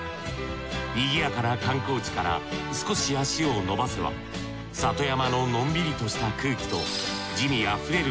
にぎやかな観光地から少し足をのばせば里山ののんびりとした空気と滋味あふれる